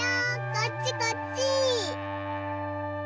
こっちこっち！